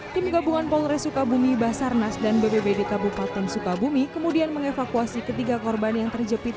tim gabungan polres sukabumi basarnas dan bbbd kabupaten sukabumi kemudian mengevakuasi ketiga korban yang terjepit